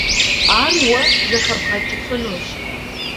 Ар уэ зэхэбгъэкӀыфынущ.